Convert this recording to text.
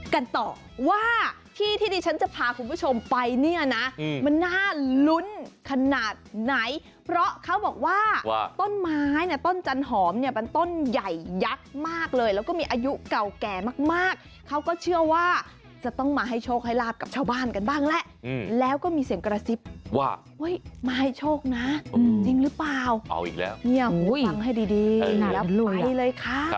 กันต่อว่าที่ที่ดิฉันจะพาคุณผู้ชมไปเนี่ยนะมันน่าลุ้นขนาดไหนเพราะเขาบอกว่าต้นไม้เนี่ยต้นจันหอมเนี่ยเป็นต้นใหญ่ยักษ์มากเลยแล้วก็มีอายุเก่าแก่มากมากเขาก็เชื่อว่าจะต้องมาให้โชคให้ลาบกับชาวบ้านกันบ้างแหละแล้วก็มีเสียงกระซิบว่ามาให้โชคนะจริงหรือเปล่าเอาอีกแล้วเนี่ยฟังให้ดีแล้วไปเลยค่ะ